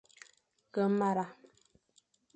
Ke mara,